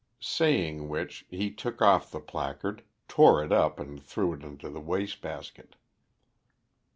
Saying which, he took off the placard, tore it up, and threw it into the waste basket.